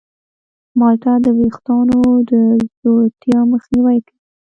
مالټه د ویښتانو د ځوړتیا مخنیوی کوي.